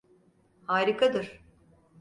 Harikadır.